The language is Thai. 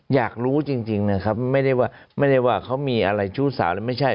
อยากรู้จริงนะครับไม่ได้ว่าไม่ได้ว่าเขามีอะไรชู้สาวแล้วไม่ใช่